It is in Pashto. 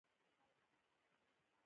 • دقیقه د کار کولو فرصت دی.